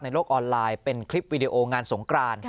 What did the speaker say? โลกออนไลน์เป็นคลิปวีดีโองานสงกราน